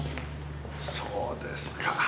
そうですか。